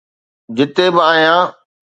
جتي به آهيان.